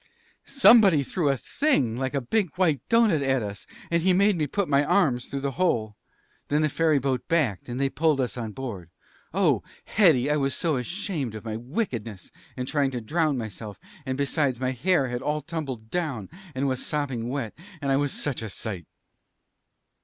"Somebody threw a thing like a big, white doughnut at us, and he made me put my arms through the hole. Then the ferry boat backed, and they pulled us on board. Oh, Hetty, I was so ashamed of my wickedness in trying to drown myself; and, besides, my hair had all tumbled down and was sopping wet, and I was such a sight.